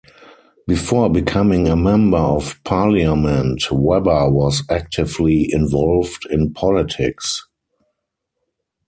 Before becoming a Member of Parliament, Webber was actively involved in politics.